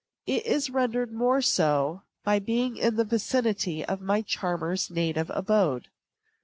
It is rendered more so by being in the vicinity of my charmer's native abode.